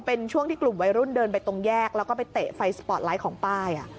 เป็นช่วงที่กลุ่มวัยรุ่นเดินไปตรงแยกแล้วก็ไปเตะไฟสปอร์ตไลท์ของป้าย